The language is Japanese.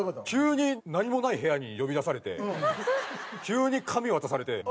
急に何もない部屋に呼び出されて急に紙渡されて。